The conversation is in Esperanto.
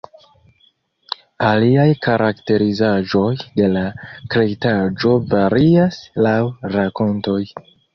Aliaj karakterizaĵoj de la kreitaĵo varias laŭ rakontoj.